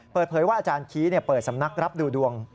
เปิดเผยว่าอาจารย์ชี้เปิดสำนักรับดูดวง